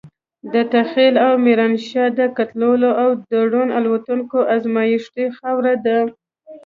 دته خېل او ميرانشاه د قتلونو او ډرون الوتکو ازمايښتي خاوره ده.